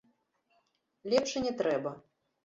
Лепш і не трэба.